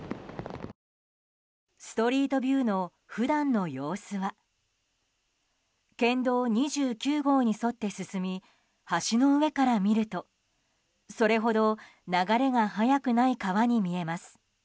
ストリートビューの普段の様子は県道２９号に沿って進み橋の上から見るとそれほど流れが速くない川に見えます。